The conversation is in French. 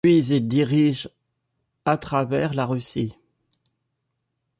Puis il dirige à travers la Russie.